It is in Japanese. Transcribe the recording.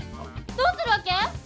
どうするわけ？